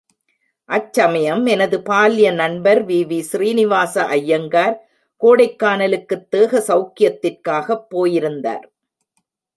அச்சமயம் எனது பால்ய நண்பர் வி.வி.. ஸ்ரீனிவாச ஐயங்கார் கோடைக்கானலுக்குத் தேக சௌக்கியத்திற்காகப் போயிருந்தார்.